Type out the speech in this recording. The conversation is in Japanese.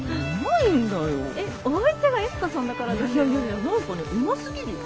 いやいやいや何かねうますぎるよ。